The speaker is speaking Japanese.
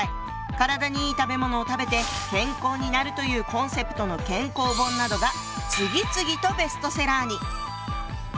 体にいい食べ物を食べて健康になるというコンセプトの健康本などが次々とベストセラーに！